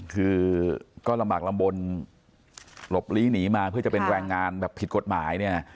คือก็ลำบากลำบลหลบลีหนีมาเพื่อจะเป็นแรงงานแบบผิดกฎหมายเนี่ย